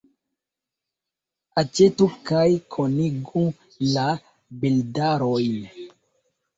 Aĉetu kaj konigu la bildarojn.